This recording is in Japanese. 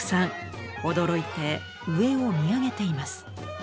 驚いて上を見上げています。